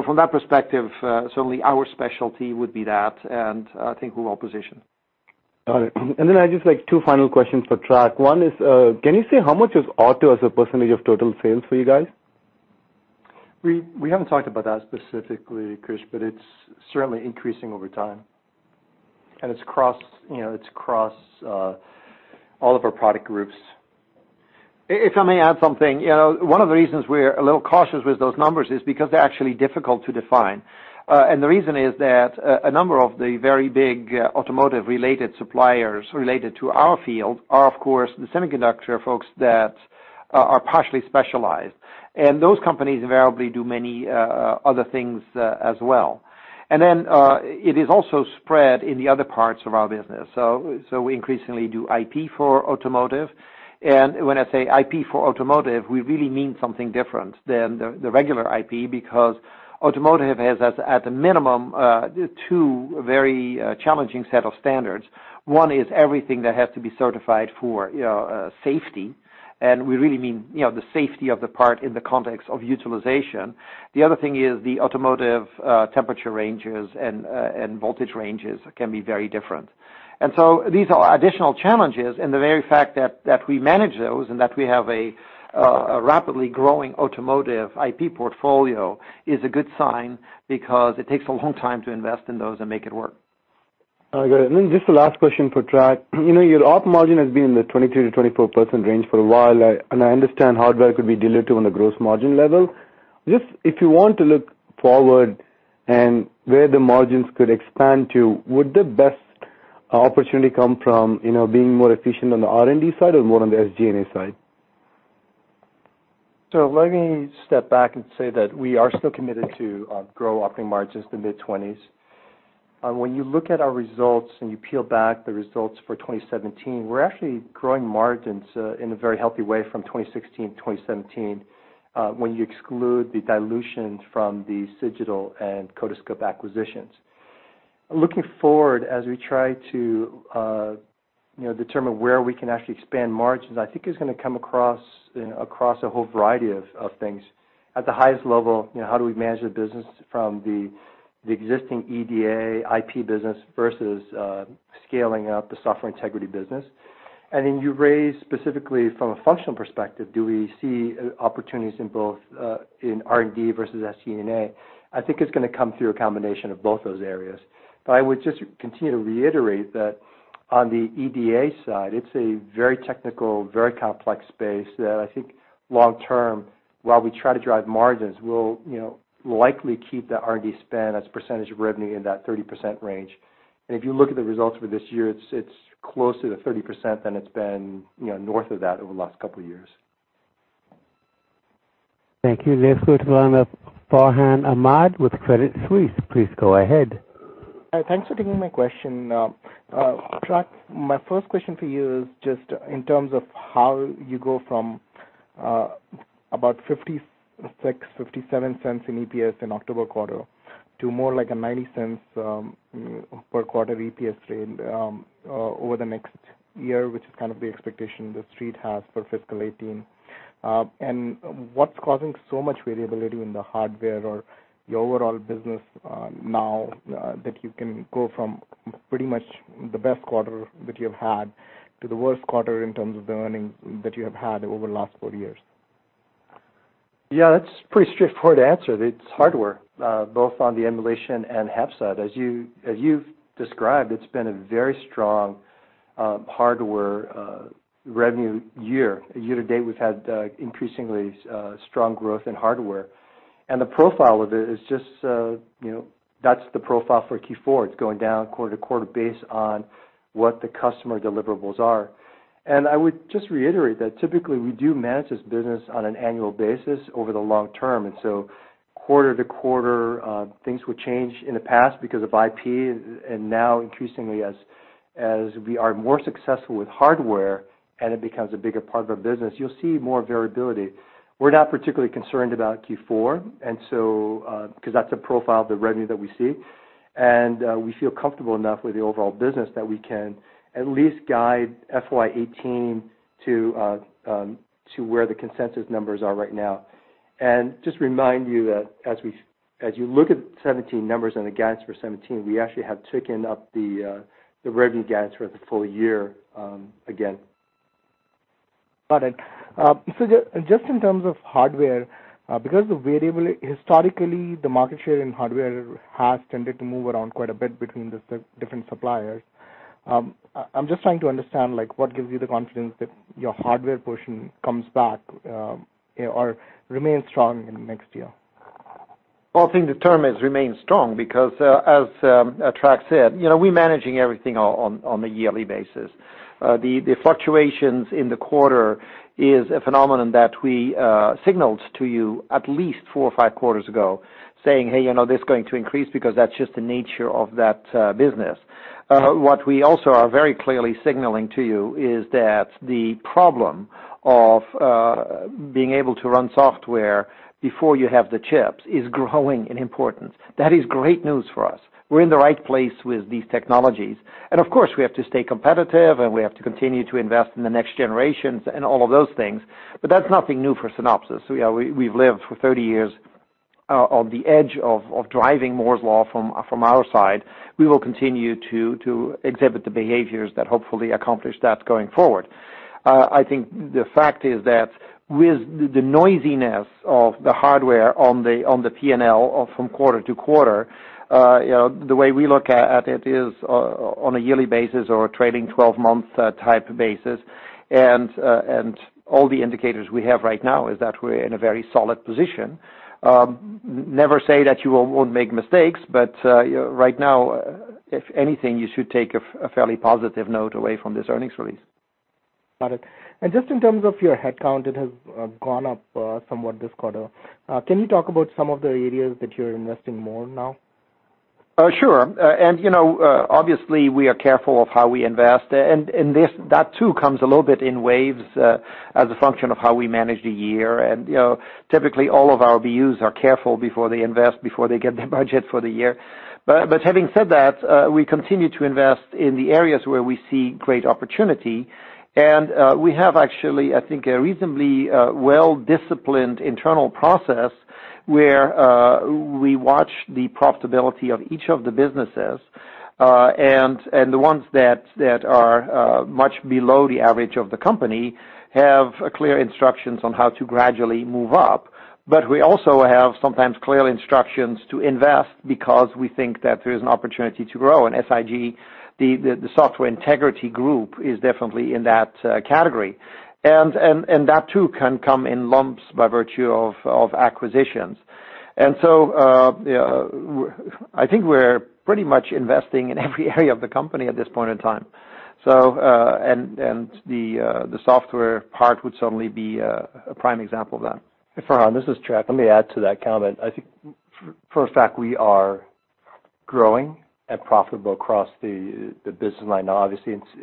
From that perspective, certainly our specialty would be that, and I think we're well-positioned. Got it. I just like two final questions for Trac. One is, can you say how much is auto as a percentage of total sales for you guys? We haven't talked about that specifically, Krish, but it's certainly increasing over time. It's across all of our product groups. If I may add something. One of the reasons we're a little cautious with those numbers is because they're actually difficult to define. The reason is that a number of the very big automotive-related suppliers related to our field are, of course, the semiconductor folks that are partially specialized. Those companies invariably do many other things as well. It is also spread in the other parts of our business. We increasingly do IP for automotive. When I say IP for automotive, we really mean something different than the regular IP, because automotive has, at the minimum, two very challenging set of standards. One is everything that has to be certified for safety, and we really mean the safety of the part in the context of utilization. The other thing is the automotive temperature ranges and voltage ranges can be very different. These are additional challenges, and the very fact that we manage those and that we have a rapidly growing automotive IP portfolio is a good sign because it takes a long time to invest in those and make it work. All right, good. Just the last question for Trac. Your op margin has been in the 23%-24% range for a while, and I understand hardware could be dilutive on the gross margin level. Just if you want to look forward and where the margins could expand to, would the best opportunity come from being more efficient on the R&D side or more on the SG&A side? Let me step back and say that we are still committed to grow operating margins to mid-20s. When you look at our results and you peel back the results for 2017, we're actually growing margins in a very healthy way from 2016 to 2017 when you exclude the dilution from the Cigital and Codiscope acquisitions. Looking forward, as we try to determine where we can actually expand margins, I think it's going to come across a whole variety of things. At the highest level, how do we manage the business from the existing EDA IP business versus scaling up the Software Integrity Group business? You raise specifically from a functional perspective, do we see opportunities in both in R&D versus SG&A? I think it's going to come through a combination of both those areas. I would just continue to reiterate that on the EDA side, it's a very technical, very complex space that I think long term, while we try to drive margins, we'll likely keep the R&D spend as % of revenue in that 30% range. If you look at the results for this year, it's closer to 30% than it's been north of that over the last couple of years. Thank you. Let's go to the line of Farhan Ahmad with Credit Suisse. Please go ahead. Thanks for taking my question. Trac, my first question for you is just in terms of how you go from about $0.56, $0.57 in EPS in October quarter to more like a $0.90 per quarter EPS range over the next year, which is kind of the expectation the street has for fiscal 2018. What's causing so much variability in the hardware or your overall business now that you can go from pretty much the best quarter that you have had to the worst quarter in terms of the earnings that you have had over the last four years? That's pretty straightforward answer. It's hardware, both on the emulation and HAPS side. As you've described, it's been a very strong hardware revenue year. Year to date, we've had increasingly strong growth in hardware. The profile of it is just, that's the profile for Q4. It's going down quarter to quarter based on what the customer deliverables are. I would just reiterate that typically we do manage this business on an annual basis over the long term. Quarter to quarter, things would change in the past because of IP, and now increasingly as we are more successful with hardware and it becomes a bigger part of our business, you'll see more variability. We're not particularly concerned about Q4 because that's a profile of the revenue that we see. We feel comfortable enough with the overall business that we can at least guide FY 2018 to where the consensus numbers are right now. Just remind you that as you look at the 2017 numbers and the guidance for 2017, we actually have taken up the revenue guidance for the full year again. Got it. Just in terms of hardware, because historically the market share in hardware has tended to move around quite a bit between the different suppliers, I'm just trying to understand what gives you the confidence that your hardware portion comes back or remains strong in the next year? Well, I think the term is remain strong because, as Trac said, we're managing everything on a yearly basis. The fluctuations in the quarter is a phenomenon that we signaled to you at least 4 or 5 quarters ago, saying, "Hey, this is going to increase because that's just the nature of that business." What we also are very clearly signaling to you is that the problem of being able to run software before you have the chips is growing in importance. That is great news for us. We're in the right place with these technologies. Of course, we have to stay competitive, and we have to continue to invest in the next generations and all of those things, but that's nothing new for Synopsys. We've lived for 30 years on the edge of driving Moore's Law from our side. We will continue to exhibit the behaviors that hopefully accomplish that going forward. I think the fact is that with the noisiness of the hardware on the P&L from quarter to quarter, the way we look at it is on a yearly basis or a trailing 12-month type basis. All the indicators we have right now is that we're in a very solid position. Never say that you won't make mistakes, but right now, if anything, you should take a fairly positive note away from this earnings release. Got it. Just in terms of your headcount, it has gone up somewhat this quarter. Can you talk about some of the areas that you're investing more now? Sure. Obviously, we are careful of how we invest, and that too comes a little bit in waves as a function of how we manage the year. Typically, all of our BUs are careful before they invest, before they get their budget for the year. Having said that, we continue to invest in the areas where we see great opportunity. We have actually, I think, a reasonably well-disciplined internal process where we watch the profitability of each of the businesses. The ones that are much below the average of the company have clear instructions on how to gradually move up. We also have sometimes clear instructions to invest because we think that there is an opportunity to grow. SIG, the Software Integrity Group, is definitely in that category. That too can come in lumps by virtue of acquisitions. I think we're pretty much investing in every area of the company at this point in time. The software part would certainly be a prime example of that. Farhan, this is Trac. Let me add to that comment. I think for a fact, we are growing and profitable across the business line.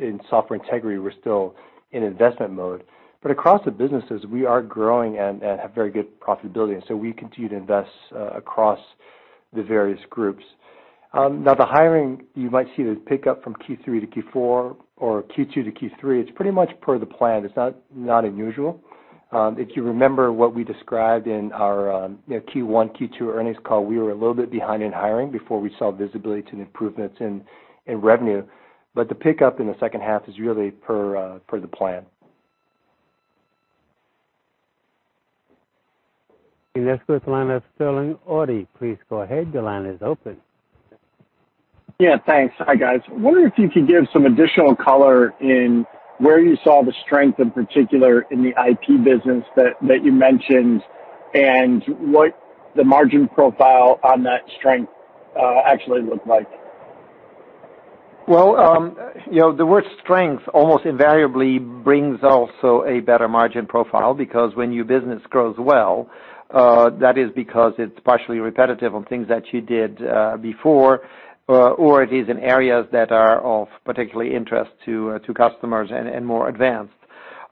In Software Integrity Group, we're still in investment mode. Across the businesses, we are growing and have very good profitability, we continue to invest across the various groups. The hiring, you might see it pick up from Q3 to Q4 or Q2 to Q3. It's pretty much per the plan. It's not unusual. If you remember what we described in our Q1, Q2 earnings call, we were a little bit behind in hiring before we saw visibility to the improvements in revenue. The pickup in the second half is really per the plan. Investor line of Sterling Auty, please go ahead. Your line is open. Thanks. Hi, guys. Wonder if you could give some additional color in where you saw the strength in particular in the IP business that you mentioned and what the margin profile on that strength actually looked like. the word strength almost invariably brings also a better margin profile because when your business grows well, that is because it's partially repetitive on things that you did before, or it is in areas that are of particular interest to customers and more advanced.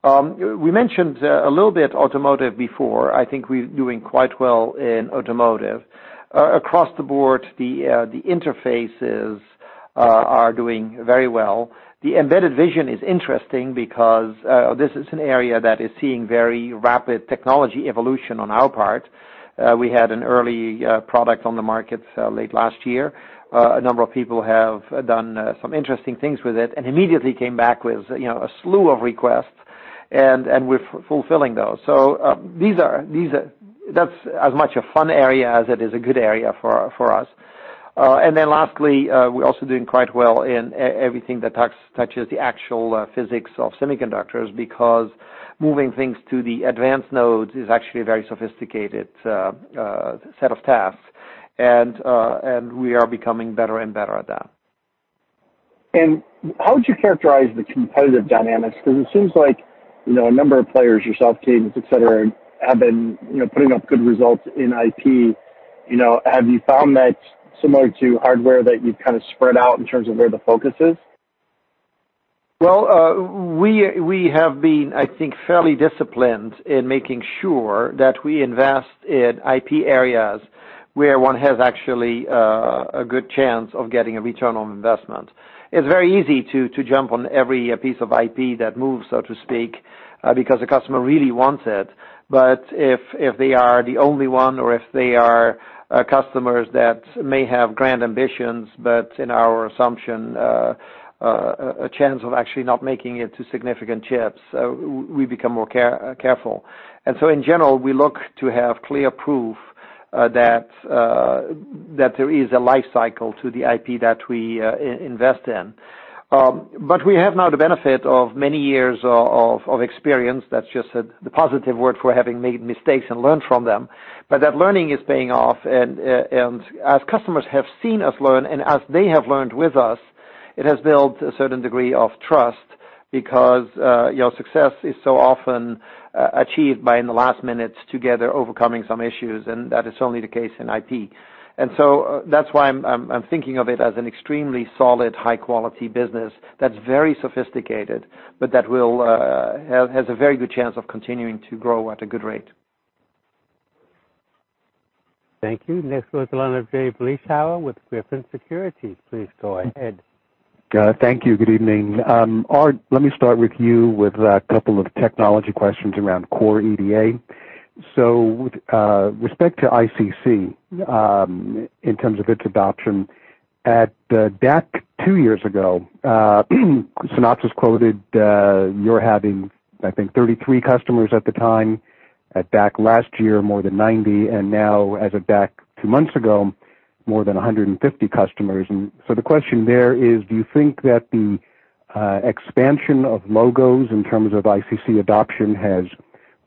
We mentioned a little bit automotive before. I think we're doing quite well in automotive. Across the board, the interfaces are doing very well. The embedded vision is interesting because this is an area that is seeing very rapid technology evolution on our part. We had an early product on the market late last year. A number of people have done some interesting things with it and immediately came back with a slew of requests, and we're fulfilling those. That's as much a fun area as it is a good area for us. lastly, we're also doing quite well in everything that touches the actual physics of semiconductors because moving things to the advanced nodes is actually a very sophisticated set of tasks, and we are becoming better and better at that. how would you characterize the competitive dynamics? Because it seems like a number of players, yourself, Cadence, et cetera, have been putting up good results in IP. Have you found that similar to hardware that you've kind of spread out in terms of where the focus is? we have been, I think, fairly disciplined in making sure that we invest in IP areas where one has actually a good chance of getting a return on investment. It's very easy to jump on every piece of IP that moves, so to speak, because the customer really wants it. if they are the only one or if they are customers that may have grand ambitions, but in our assumption a chance of actually not making it to significant chips, we become more careful. in general, we look to have clear proof that there is a life cycle to the IP that we invest in. we have now the benefit of many years of experience. That's just the positive word for having made mistakes and learned from them. That learning is paying off, and as customers have seen us learn, and as they have learned with us, it has built a certain degree of trust because success is so often achieved by, in the last minutes together, overcoming some issues, and that is only the case in IP. That's why I'm thinking of it as an extremely solid, high-quality business that's very sophisticated, but that has a very good chance of continuing to grow at a good rate. Thank you. Next, we go to Jay Vleeschhouwer with Griffin Securities. Please go ahead. Thank you. Good evening. Aart, let me start with you with a couple of technology questions around Core EDA. With respect to ICC, in terms of its adoption, at the DAC two years ago, Synopsys quoted you're having, I think, 33 customers at the time, at DAC last year, more than 90, and now as of DAC two months ago, more than 150 customers. The question there is, do you think that the expansion of logos in terms of ICC adoption has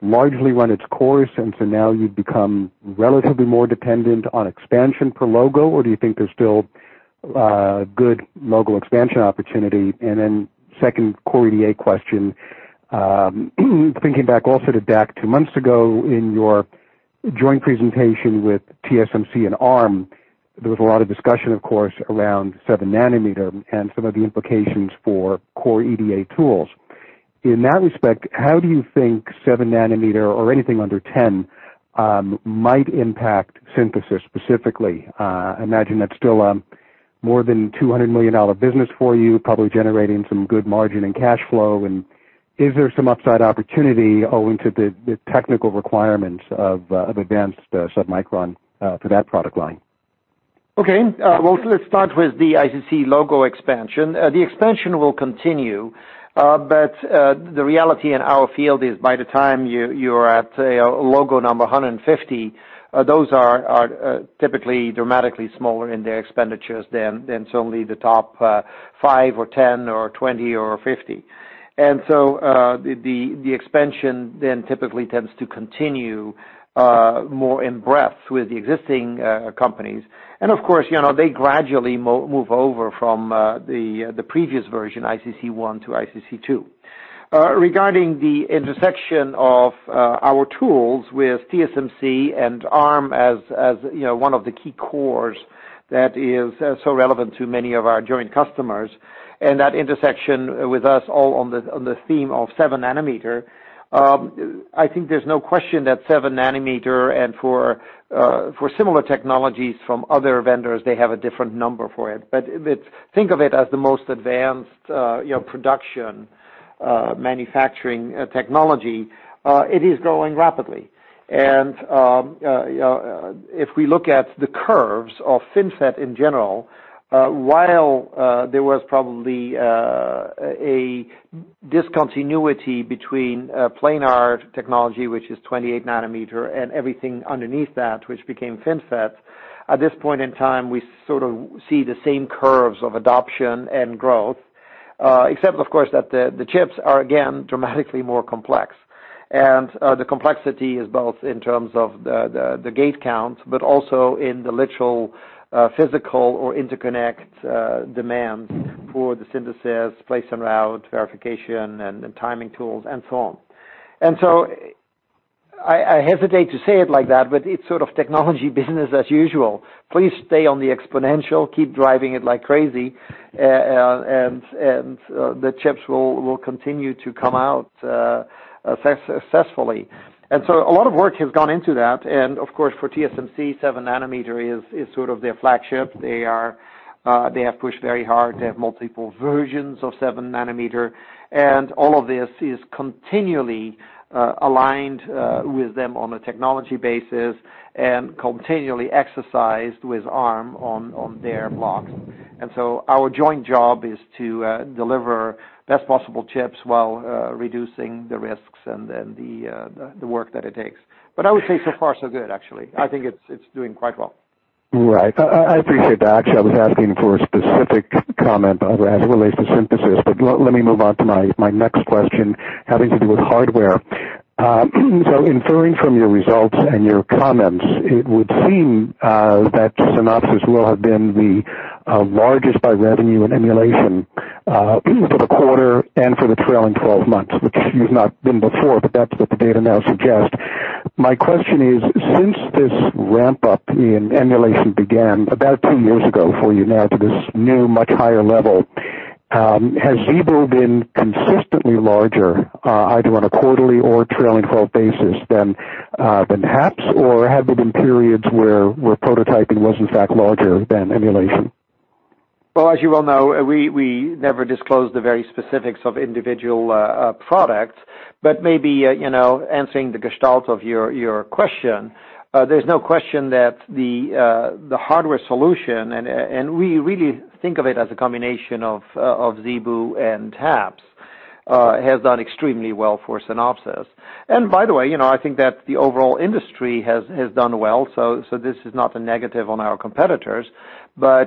largely run its course, and so now you've become relatively more dependent on expansion per logo, or do you think there's still good logo expansion opportunity? Second Core EDA question, thinking back also to DAC two months ago in your joint presentation with TSMC and Arm, there was a lot of discussion, of course, around seven nanometer and some of the implications for Core EDA tools. In that respect, how do you think seven nanometer or anything under 10 might impact synthesis specifically? I imagine that's still a more than $200 million business for you, probably generating some good margin and cash flow, and is there some upside opportunity owing to the technical requirements of advanced submicron for that product line? Let's start with the ICC logo expansion. The expansion will continue, but the reality in our field is by the time you are at logo number 150, those are typically dramatically smaller in their expenditures than certainly the top five or 10 or 20 or 50. The expansion then typically tends to continue more in breadth with the existing companies. They gradually move over from the previous version, ICC1 to ICC2. Regarding the intersection of our tools with TSMC and Arm as one of the key cores that is so relevant to many of our joint customers, and that intersection with us all on the theme of 7 nanometer, I think there's no question that 7 nanometer and for similar technologies from other vendors, they have a different number for it. Think of it as the most advanced production manufacturing technology. It is growing rapidly. If we look at the curves of FinFET in general, while there was probably a discontinuity between planar technology, which is 28 nanometer, and everything underneath that, which became FinFET, at this point in time, we sort of see the same curves of adoption and growth, except, of course, that the chips are again, dramatically more complex. The complexity is both in terms of the gate count, but also in the literal physical or interconnect demand for the synthesis, place and route verification, and timing tools, and so on. I hesitate to say it like that, it's sort of technology business as usual. Please stay on the exponential, keep driving it like crazy, the chips will continue to come out successfully. A lot of work has gone into that, for TSMC, 7 nanometer is sort of their flagship. They have pushed very hard. They have multiple versions of 7 nanometer, and all of this is continually aligned with them on a technology basis and continually exercised with Arm on their blocks. Our joint job is to deliver best possible chips while reducing the risks and then the work that it takes. I would say so far so good, actually. I think it's doing quite well. Right. I appreciate that. Actually, I was asking for a specific comment as it relates to synthesis, let me move on to my next question, having to do with hardware. Inferring from your results and your comments, it would seem that Synopsys will have been the largest by revenue and emulation for the quarter and for the trailing 12 months, which you've not been before, that's what the data now suggests. My question is, since this ramp-up in emulation began about 2 years ago for you now to this new, much higher level, has ZeBu been consistently larger, either on a quarterly or trailing 12 basis than HAPS, or have there been periods where prototyping was in fact larger than emulation? As you well know, we never disclose the very specifics of individual products. Maybe, answering the gestalt of your question, there's no question that the hardware solution, and we really think of it as a combination of ZeBu and HAPS, has done extremely well for Synopsys. By the way, I think that the overall industry has done well, so this is not a negative on our competitors. For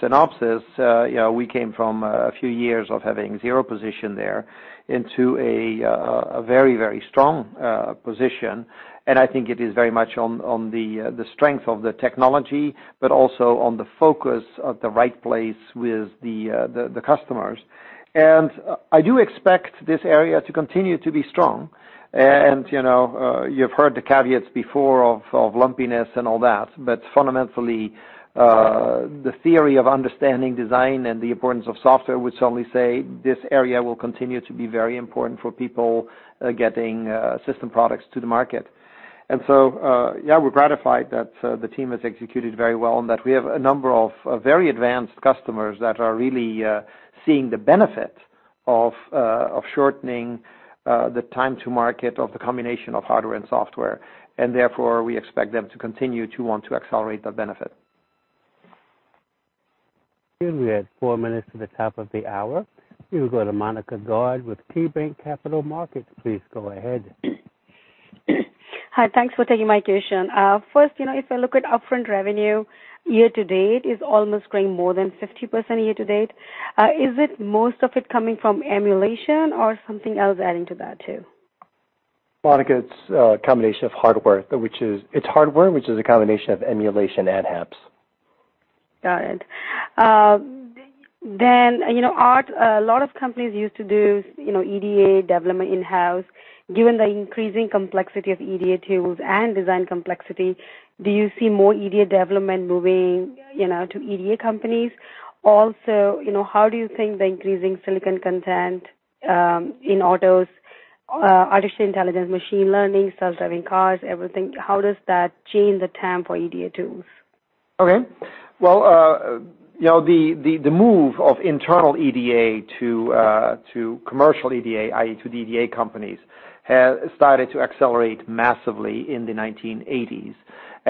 Synopsys, we came from a few years of having zero position there into a very strong position, and I think it is very much on the strength of the technology, but also on the focus at the right place with the customers. I do expect this area to continue to be strong. You've heard the caveats before of lumpiness and all that, but fundamentally, the theory of understanding design and the importance of software would certainly say this area will continue to be very important for people getting system products to the market. Yeah, we're gratified that the team has executed very well and that we have a number of very advanced customers that are really seeing the benefit of shortening the time to market of the combination of hardware and software, and therefore, we expect them to continue to want to accelerate that benefit. We are at four minutes to the top of the hour. We will go to Monika Goyal with KeyBanc Capital Markets. Please go ahead. Hi, thanks for taking my question. First, if I look at upfront revenue year to date, it's almost growing more than 50% year to date. Is it most of it coming from emulation or something else adding to that too? Monika, it's a combination of hardware, which is a combination of emulation and HAPS. Got it. Aart, a lot of companies used to do EDA development in-house. Given the increasing complexity of EDA tools and design complexity, do you see more EDA development moving to EDA companies? How do you think the increasing silicon content in autos, artificial intelligence, machine learning, self-driving cars, everything, how does that change the TAM for EDA tools? Okay. Well, the move of internal EDA to commercial EDA, i.e., to EDA companies, started to accelerate massively in the 1980s.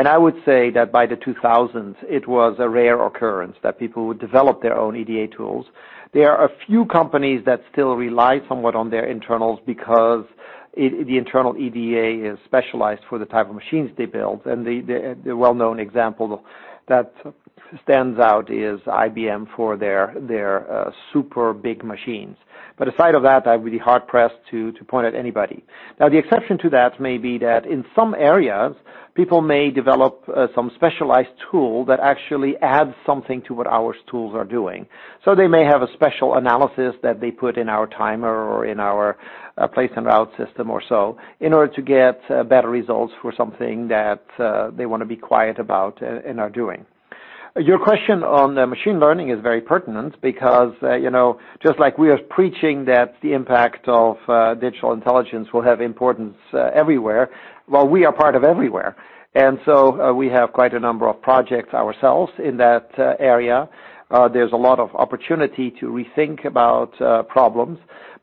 I would say that by the 2000s, it was a rare occurrence that people would develop their own EDA tools. There are a few companies that still rely somewhat on their internals because the internal EDA is specialized for the type of machines they build, and the well-known example that stands out is IBM for their super big machines. Aside of that, I'd be hard-pressed to point at anybody. The exception to that may be that in some areas, people may develop some specialized tool that actually adds something to what our tools are doing. They may have a special analysis that they put in our timer or in our place and route system or so, in order to get better results for something that they want to be quiet about and are doing. Your question on the machine learning is very pertinent because, just like we are preaching that the impact of digital intelligence will have importance everywhere, well, we are part of everywhere. We have quite a number of projects ourselves in that area. There's a lot of opportunity to rethink about problems.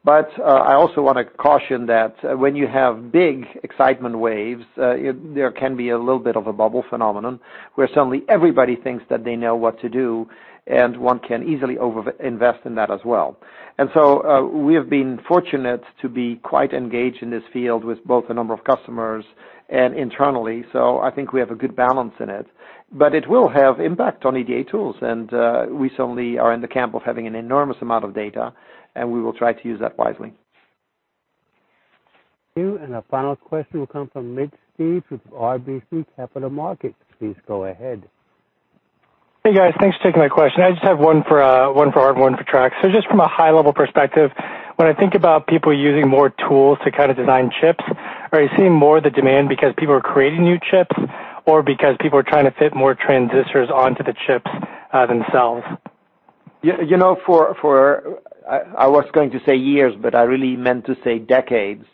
I also want to caution that when you have big excitement waves, there can be a little bit of a bubble phenomenon, where suddenly everybody thinks that they know what to do, and one can easily over-invest in that as well. We have been fortunate to be quite engaged in this field with both a number of customers and internally. I think we have a good balance in it. It will have impact on EDA tools, and we certainly are in the camp of having an enormous amount of data, and we will try to use that wisely. Thank you. Our final question will come from Mitch Steves with RBC Capital Markets. Please go ahead. Hey, guys. Thanks for taking my question. I just have one for Aart, one for Trac. Just from a high-level perspective, when I think about people using more tools to kind of design chips, are you seeing more of the demand because people are creating new chips or because people are trying to fit more transistors onto the chips themselves? I was going to say years, but I really meant to say decades.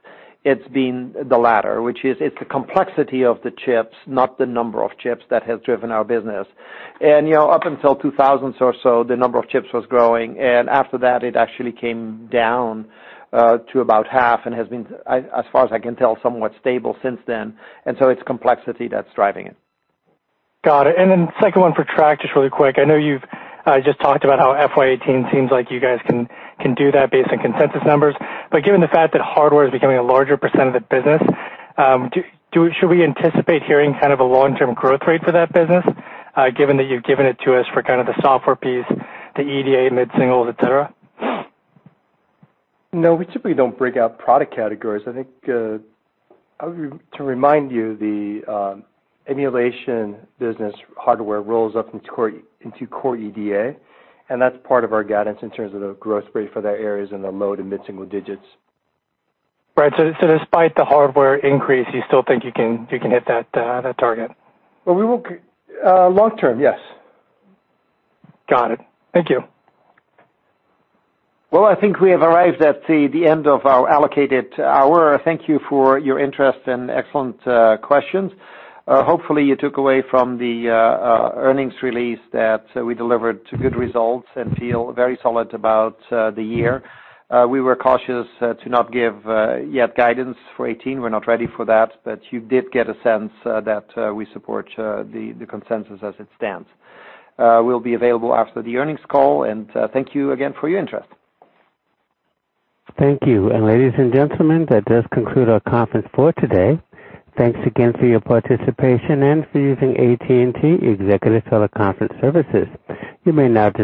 It's been the latter, which is, it's the complexity of the chips, not the number of chips that has driven our business. Up until 2000s or so, the number of chips was growing, and after that, it actually came down to about half and has been, as far as I can tell, somewhat stable since then. It's complexity that's driving it. Got it. Second one for Trac, just really quick. I know you've just talked about how FY18 seems like you guys can do that based on consensus numbers. Given the fact that hardware is becoming a larger % of the business, should we anticipate hearing kind of a long-term growth rate for that business, given that you've given it to us for kind of the software piece, the EDA mid-singles, et cetera? No, we typically don't break out product categories. I think to remind you, the emulation business hardware rolls up into core EDA, and that's part of our guidance in terms of the growth rate for that area is in the low to mid-single digits. Right. Despite the hardware increase, you still think you can hit that target? Long term, yes. Got it. Thank you. Well, I think we have arrived at the end of our allocated hour. Thank you for your interest and excellent questions. Hopefully, you took away from the earnings release that we delivered good results and feel very solid about the year. We were cautious to not give yet guidance for 2018. We're not ready for that. You did get a sense that we support the consensus as it stands. We'll be available after the earnings call, and thank you again for your interest. Thank you. Ladies and gentlemen, that does conclude our conference for today. Thanks again for your participation and for using AT&T TeleConference Services. You may now disconnect.